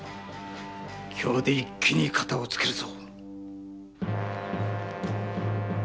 今日で一気にカタをつけるぞ。